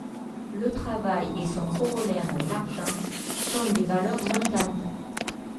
Le travail et son corollaire, l'argent, sont des valeurs montantes.